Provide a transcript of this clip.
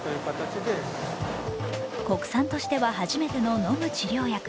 国産としては初めての飲む治療薬。